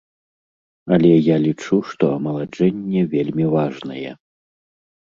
Але я лічу, што амаладжэнне вельмі важнае.